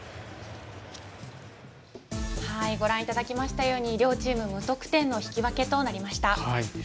ご覧いただきましたように両チーム、無得点の引き分けとなりました。